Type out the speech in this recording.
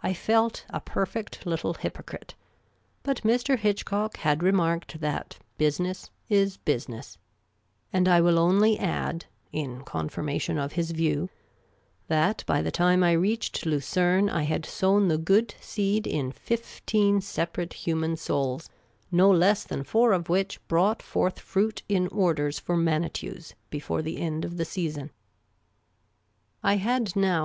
I felt a perfect little hypocrite. But Mr. Hitchcock had re marked that business is business ; and I will only add (in confirmation of his view) that by the time I reached Lucerne I had sown the good seed in fifteen separate human souls, no less than four of which l)rought forth fruit in orders for Manitous before the end of the season, I had now